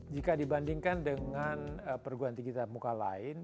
jika dibandingkan dengan perguruan tinggi tatap muka lain